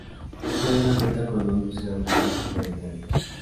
La Academia cuenta con un museo y un planetario.